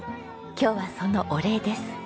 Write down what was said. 今日はそのお礼です。